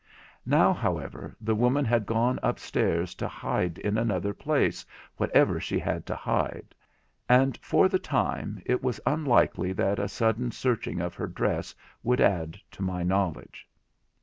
Now, however, the woman had gone upstairs to hide in another place whatever she had to hide; and for the time it was unlikely that a sudden searching of her dress would add to my knowledge.